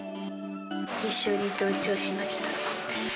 一緒に登頂しました。